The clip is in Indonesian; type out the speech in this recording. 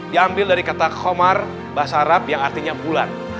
diambil dari kata komar bahasa arab yang artinya bulan